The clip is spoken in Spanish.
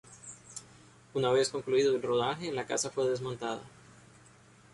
Una vez concluido el rodaje la casa fue desmontada.